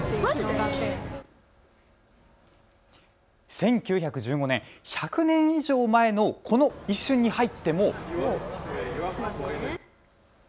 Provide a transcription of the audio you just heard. １９１５年、１００年以上前のこの一瞬に入っても。